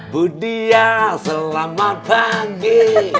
bu diamo selamat pagi